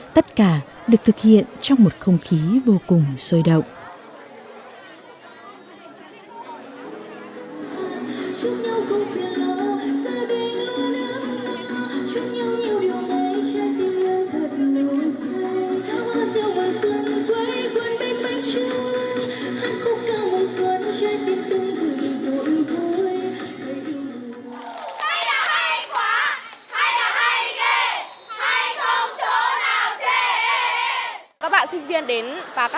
tất cả được thực hiện trong một không khí vô cùng sôi động